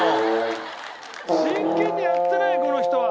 「真剣にやってないこの人は！」